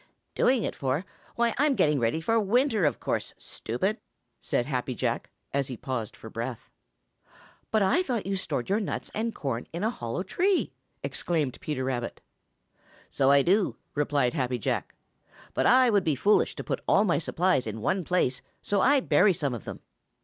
"Doing it for? Why, I'm getting ready for winter, of course, stupid!" said Happy Jack, as he paused for breath. "But I thought you stored your nuts and corn in a hollow tree!" exclaimed Peter Rabbit. "So I do," replied Happy Jack, "but I would be foolish to put all my supplies in one place, so I bury some of them."